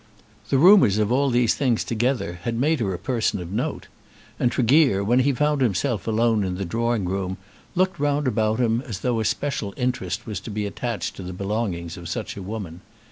The rumours of all these things together had made her a person of note, and Tregear, when he found himself alone in the drawing room, looked round about him as though a special interest was to be attached to the belongings of such a woman.